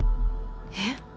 えっ？